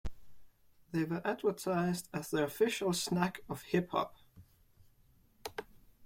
They were advertised as The Official Snack of Hip hop.